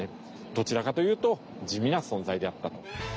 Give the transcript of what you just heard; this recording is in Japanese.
どちらかというと地味な存在であったと。